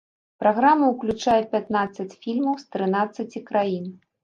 Праграма ўключае пятнаццаць фільмаў з трынаццаці краін.